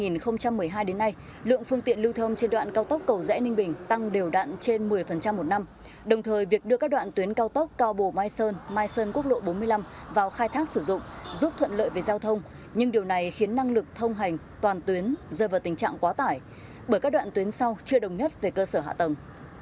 từ năm hai nghìn một mươi hai đến nay lượng phương tiện lưu thông trên đoạn cao tốc cầu rẽ ninh bình tăng đều đạn trên một mươi một năm đồng thời việc đưa các đoạn tuyến cao tốc cao bồ mai sơn mai sơn quốc lộ bốn mươi năm vào khai thác sử dụng giúp thuận lợi về giao thông nhưng điều này khiến năng lực thông hành toàn tuyến rơi vào tình trạng quá tải bởi các đoạn tuyến sau chưa đồng nhất về cơ sở hạ tầng